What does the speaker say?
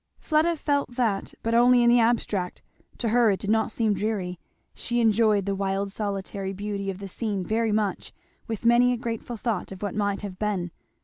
Fleda felt that, but only in the abstract; to her it did not seem dreary; she enjoyed the wild solitary beauty of the scene very much, with many a grateful thought of what might have been.